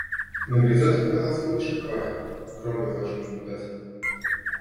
На горизонте показался Мишка Квакин! – громко доложил наблюдатель.